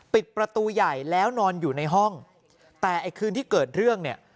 ปิดประตูใหญ่แล้วนอนอยู่ในห้องแต่ไอ้คืนที่เกิดเรื่องเนี่ย